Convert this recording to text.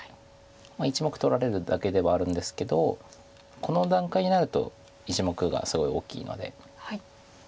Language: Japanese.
１目取られるだけではあるんですけどこの段階になると１目がすごい大きいので。